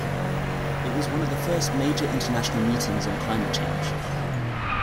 It was one of the first major international meetings on climate change.